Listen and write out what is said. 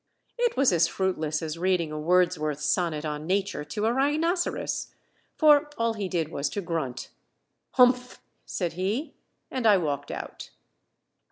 It was as fruitless as reading a Wordsworth sonnet on nature to a rhinoceros; for all he did was to grunt. "Humph!" said he, and I walked out.